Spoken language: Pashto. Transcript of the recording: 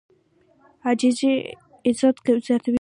عاجزي عزت زیاتوي.